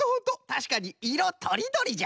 たしかにいろとりどりじゃ。